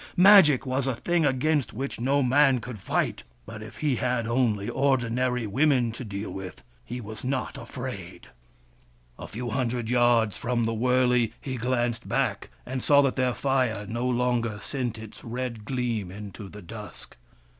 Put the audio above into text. Magic was a thing against which no man could fight. But if he had only ordinary women to deal with, he was not afraid. A few hundred yards from the wurley, he glanced 252 WURIP, THE FIRE BRINGER back, and saw that their fire no longer sent its red gleam into the dusk.